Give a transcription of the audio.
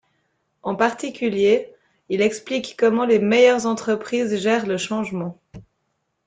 En particulier, il explique comment les meilleures entreprises gèrent le changement.